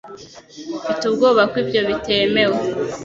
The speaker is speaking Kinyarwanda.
Mfite ubwoba ko ibyo bitemewe